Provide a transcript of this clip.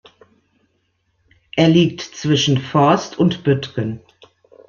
Er liegt zwischen Vorst und Büttgen.